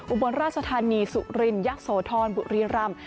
อุบลราชธานีสุรินยะโสธรบุรีรำ